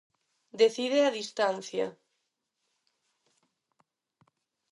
Decide a distancia.